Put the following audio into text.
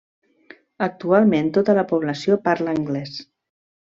Actualment tota la població parla anglès.